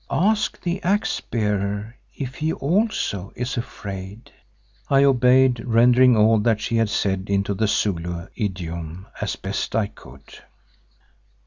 Ask the Axe Bearer if he also is afraid." I obeyed, rendering all that she had said into the Zulu idiom as best I could.